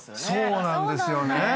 そうなんですよね。